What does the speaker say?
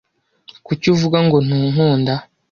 kuki uvuga ngo ntunkunda